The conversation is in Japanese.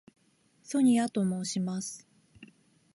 ソニアと申します。